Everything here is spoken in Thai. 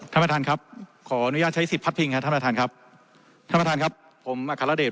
ท่านประธานครับขออนุญาตใช้สิทธิ์พัดไปถ้าท่านครับผมอาฆาตเดช